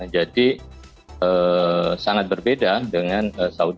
jadi sangat berbeda dengan saudi